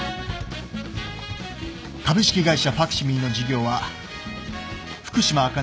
株式会社ファクシミリの事業は福島あかね